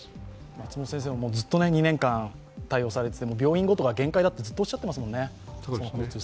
松本先生はずっと２年間対応されていて、病院ごとでは限界だとずっとおっしゃっていますもんね。